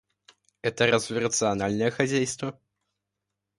Это разве рациональное хозяйство?